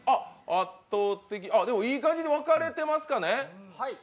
圧倒的でもいい感じに分かれてますかね。